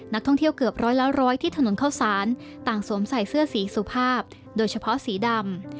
นักท่องเที่ยวเกือบร้อยละร้อยที่ถนนเข้าสารต่างสวมใส่เสื้อสีสุภาพโดยเฉพาะสีดำ